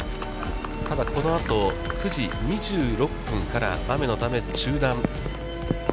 ただ、このあと、９時２６分から雨のため中断。